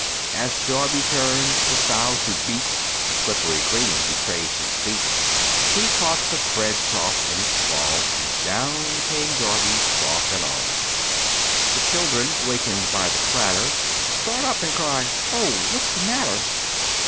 As Darby turned, the sow to beat, The slippery cream betrayed his feet; He caught the bread trough in his fall, And down came Darby, trough, and all. The children, wakened by the clatter, Start up, and cry, "Oh! what's the matter?"